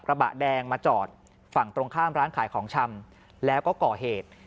กระบะแดงมาจอดฝั่งตรงข้ามร้านขายของชำแล้วก็ก่อเหตุ